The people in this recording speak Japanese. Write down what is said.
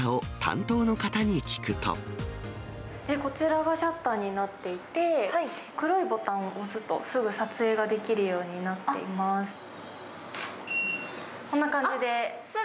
こちらがシャッターになっていて、黒いボタンを押すと、すぐ撮影ができるようになっています。